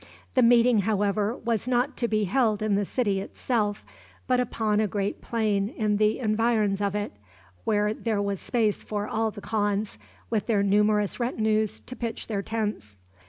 The meeting, however, was not to be held in the city itself, but upon a great plain in the environs of it, where there was space for all the khans, with their numerous retinues, to pitch their tents.